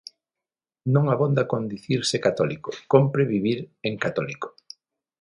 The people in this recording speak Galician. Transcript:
Non abonda con dicirse católico; cómpre vivir en católico.